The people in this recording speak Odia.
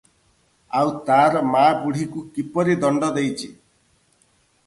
ଆଉ ତାର ମାଁ ବୁଢ଼ୀକୁ କିପରି ଦଣ୍ଡ ଦେଇଚି?